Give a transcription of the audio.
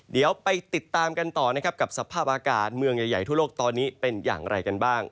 เดี๋ยวไปติดตามกันต่อนะครับกับสภาพอากาศเมืองใหญ่ทั่วโลกตอนนี้เป็นอย่างไรกันบ้าง